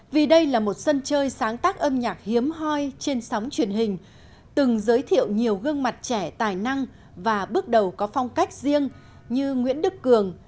vì đây là một sân chơi sáng tác âm nhạc hiếm hoi trên sóng truyền hình từng giới thiệu nhiều gương mặt trẻ tài năng và bước đầu có phong cách riêng như nguyễn đức cường